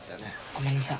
ごめんなさい